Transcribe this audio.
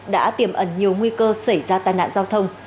đã tiềm ẩn nhiều nguy cơ xảy ra tai nạn giao thông